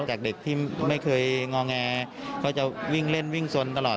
จากเด็กที่ไม่เคยงอแงเขาจะวิ่งเล่นวิ่งสนตลอด